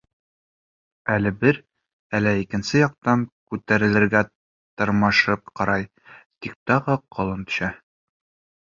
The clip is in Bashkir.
Әле бер, әле икенсе яҡтан күтәрелергә тырмашып ҡарай, тик тағы ҡолан төшә.